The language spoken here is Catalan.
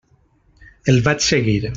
El vaig seguir.